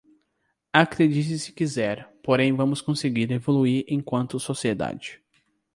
Acredite se quiser, porém vamos conseguir evoluir enquanto sociedade